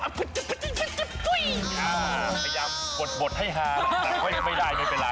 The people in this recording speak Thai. พยายามกดบทให้ฮาแต่ไม่ได้ไม่เป็นไร